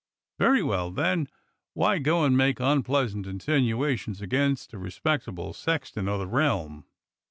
Very well, then, why go and make unpleasant insinuations against a respectable sexton o' the realm?